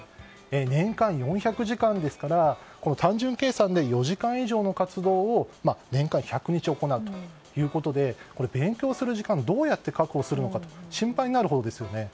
年間４００時間ですから単純計算で４時間以上の活動を年間１００日行うということでこれ勉強する時間どうやって確保するかと心配になるほどですよね。